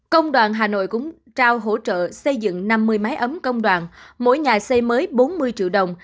công đoàn hà nội cũng trao hỗ trợ xây dựng năm mươi máy ấm công đoàn mỗi nhà xây mới bốn mươi triệu đồng